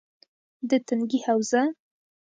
- د تنگي حوزه: